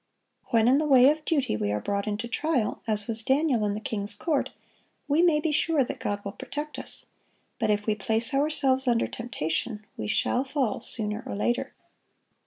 When in the way of duty we are brought into trial, as was Daniel in the king's court, we may be sure that God will protect us; but if we place ourselves under temptation, we shall fall sooner or later.